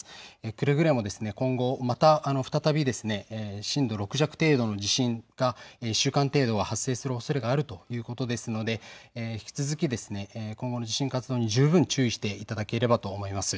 くれぐれも今後、また再び震度６弱程度の地震が１週間程度発生するおそれがあるということですので引き続き今後の地震活動に十分注意していただければと思います。